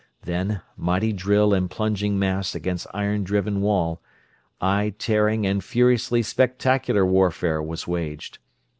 Then, mighty drill and plunging mass against iron driven wall, eye tearing and furiously spectacular warfare was waged.